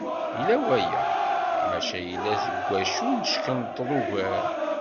Yella waya, maca yella deg wacu neckenṭeḍ ugar.